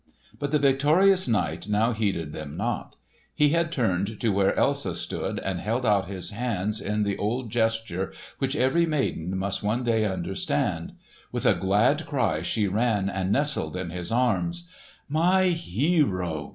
But the victorious knight now heeded them not. He had turned to where Elsa stood, and held out his hands in the old gesture which every maiden must one day understand. With a glad cry she ran and nestled in his arms. "My hero!"